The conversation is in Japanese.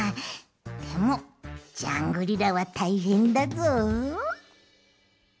でもジャングリラはたいへんだぞ。